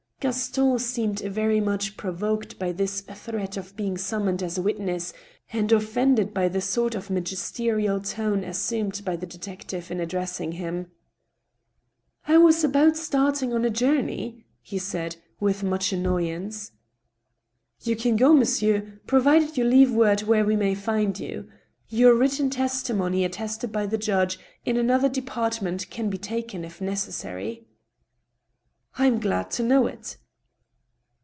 Gaston seemed very much provoked by this threat of being sum moned as a witness, and offended by the sort of magisterial tone as sumed by the detective in addressing him. " I w^ about starting on a journey/' he said, with much annoy ance. " You can go, monsieur, provided you leave word where we may find you. Your written testimony attested by the judge in another department can be taken if necessary." " I am glad to know it."